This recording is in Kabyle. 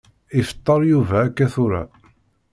Ifeṭṭer Yuba akka tura.